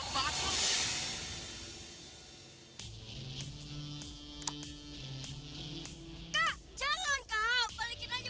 sssst jangan disini